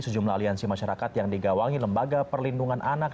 sejumlah aliansi masyarakat yang digawangi lembaga perlindungan anak